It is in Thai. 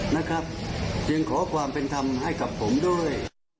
นะครับจึงขอความเป็นธรรมให้กับผมด้วย